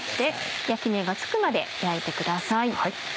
焼き目がつくまで焼いてください。